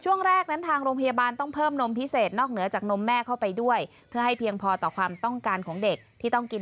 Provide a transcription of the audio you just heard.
ช่วงแรกนั้นทางโรงพยาบาลต้องเพิ่มนมพิเศษนอกเหนือจากนมแม่เข้าไปด้วยเพื่อให้เพียงพอต่อความต้องการของเด็กที่ต้องกิน